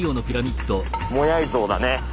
モアイ像だね。